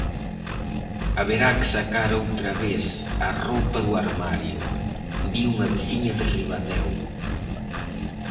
Haberá que sacar outra vez a roupa do armario, di unha veciña de Ribadeo.